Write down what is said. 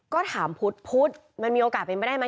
ก็ถามพุธพุธมันมีโอกาสเป็นประมาณไหม